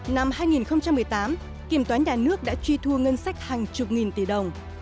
năm hai nghìn một mươi tám kiểm toán nhà nước đã truy thu ngân sách hàng chục nghìn tỷ đồng